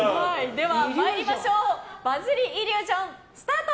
では参りましょうバズりイリュージョン、スタート。